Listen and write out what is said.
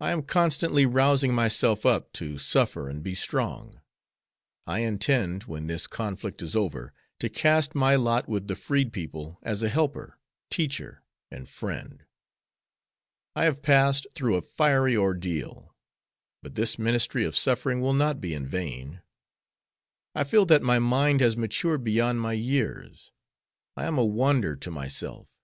I am constantly rousing myself up to suffer and be strong. I intend, when this conflict is over, to cast my lot with the freed people as a helper, teacher, and friend. I have passed through a fiery ordeal, but this ministry of suffering will not be in vain. I feel that my mind has matured beyond my years. I am a wonder to myself.